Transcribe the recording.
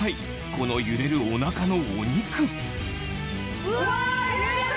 この揺れるお腹のお肉うわ！